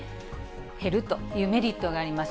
減るというメリットがあります。